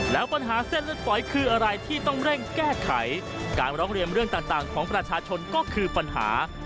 แล้วปัญหาเส้นเลือดฝอยคืออะไรที่ต้องเร่งแก้ไขการร้องเรียนเรื่องต่างของประชาชนก็คือปัญหา